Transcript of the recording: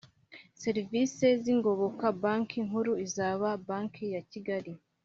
serivisi z ingoboka Banki Nkuru izaha banki ya kigali